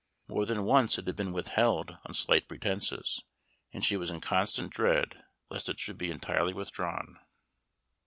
More than once it had been withheld on slight pretences, and she was in constant dread lest it should be entirely withdrawn.